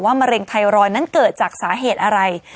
มะเร็งไทรอยด์นั้นเกิดจากสาเหตุอะไร